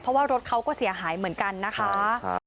เพราะว่ารถเขาก็เสียหายเหมือนกันนะคะ